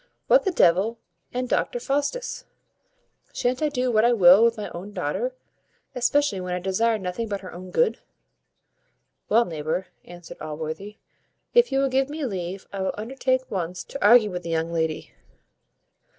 What the devil and doctor Faustus! shan't I do what I will with my own daughter, especially when I desire nothing but her own good?" "Well, neighbour," answered Allworthy, "if you will give me leave, I will undertake once to argue with the young lady."